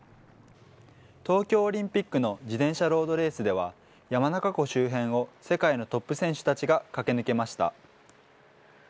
東京オリンピックの自転車ロードレースでは、山中湖周辺を世界のトップ選手たちが駆け抜けました。